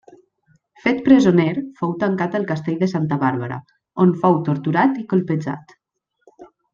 Fet presoner, fou tancat al Castell de Santa Bàrbara, on fou torturat i colpejat.